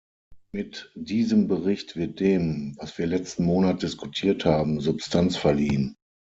Mit diesem Bericht wird dem, was wir letzten Monat diskutiert haben, Substanz verliehen.